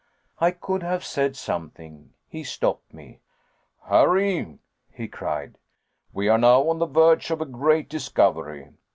I could have said something. He stopped me. "Harry," he cried, "we are now on the verge of a great discovery.